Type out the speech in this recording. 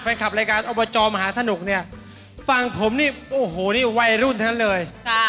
แฟนคลับรายการอบจมหาสนุกเนี่ยฟังผมนี่โอ้โหนี่วัยรุ่นทั้งนั้นเลย